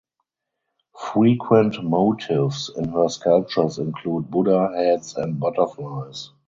Frequent motifs in her sculptures include Buddha heads and butterflies.